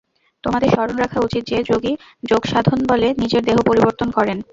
তোমাদের স্মরণ রাখা উচিত যে, যোগী যোগসাধনবলে নিজের দেহ পরিবর্তিত করেন।